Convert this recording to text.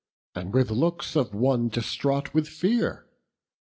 and with looks Of one distraught with, fear?